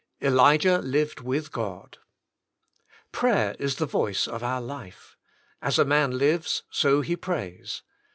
Elijah Lived with God. Prayer is the voice of our life. As a man lives BO he prays.